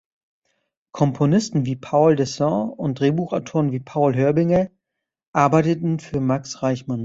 Komponisten wie Paul Dessau und Drehbuchautoren wie Paul Hörbiger arbeiteten für Max Reichmann.